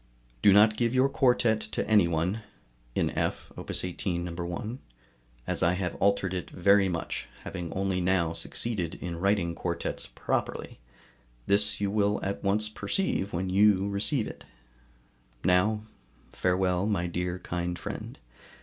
Do not give your quartet to any one [in F, Op. 18, No. 1], as I have altered it very much, having only now succeeded in writing quartets properly; this you will at once perceive when you receive it. Now, farewell, my dear kind friend!